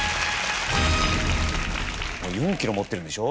４キロ持ってるんでしょ？